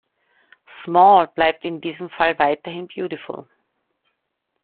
Small bleibt in diesem Fall weiterhin beautiful .